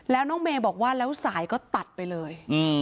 แล้วน้องเมย์บอกว่าแล้วสายก็ตัดไปเลย